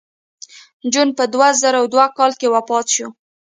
جون په دوه زره دوه کال کې وفات شو